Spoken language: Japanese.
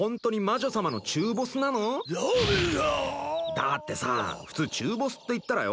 だってさあ普通中ボスっていったらよ？